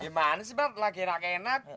gimana sih mat lagi enak enak